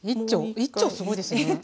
１丁すごいですよね？